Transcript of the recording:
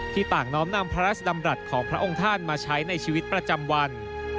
ต่างน้อมนำพระราชดำรัฐของพระองค์ท่านมาใช้ในชีวิตประจำวัน